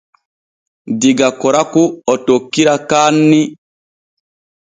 Diga Koraku o tokkira Kaanni.